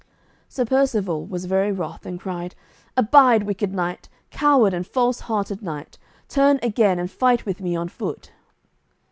Sir Percivale was very wroth, and cried, "Abide, wicked knight, coward and false hearted knight, turn again and fight with me on foot."